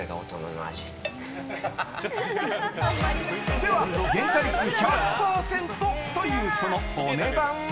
では、原価率１００％というそのお値段は？